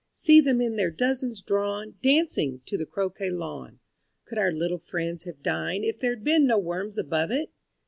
See them in their dozens drawn, Dancing, to the croquet lawn Could our little friends have dined If there'd been no worms above it?